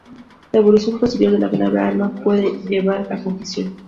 La evolución posterior de la palabra arma puede llevar a confusión.